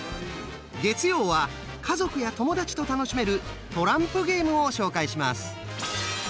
月曜は家族や友達と楽しめるトランプゲームを紹介します。